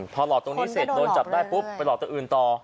พอหลอกตรงนี้เสร็จโดนจับได้ปุ๊บไปหลอกตรงอื่นต่อ